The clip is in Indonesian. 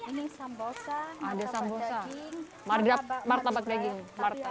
ini sambosa martabak daging martabak martabak